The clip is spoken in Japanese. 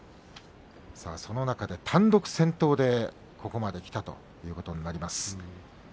その中で単独先頭でここまできたということになります。